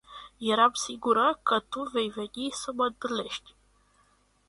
Eram sigura ca tu vei veni sa ma intalnesti.